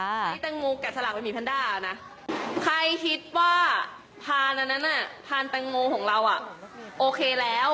นี่ตังโงกัดสลับเป็นหมีแพนด้านะใครคิดว่าพานอันนั้นพานตังโงของเราโอเคแล้ว